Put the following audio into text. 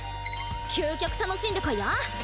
究極楽しんでこいよ！